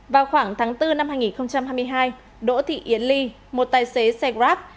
vào khoảng tháng bốn năm hai nghìn hai mươi hai đỗ thị yến ly một tài xế xe grab